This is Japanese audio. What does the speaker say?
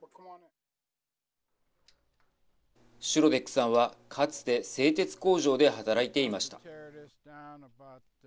シュロデックさんは、かつて製鉄工場で働いていました。